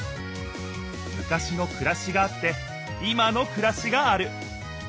昔のくらしがあって今のくらしがある。